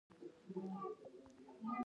چرګان د افغانستان د بڼوالۍ برخه ده.